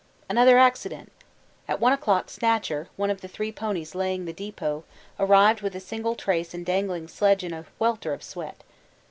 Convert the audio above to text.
Another accident! At one o'clock 'Snatcher,' one of the three ponies laying the depot, arrived with single trace and dangling sledge in a welter of sweat.